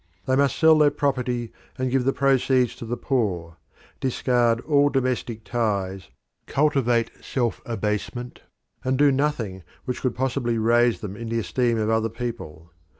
They must sell their property and give the proceeds to the poor, discard all domestic ties, cultivate self abasement, and do nothing which could possibly raise them in the esteem of other people.